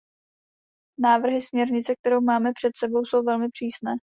Návrhy směrnice, kterou máme před sebou, jsou velmi přísné.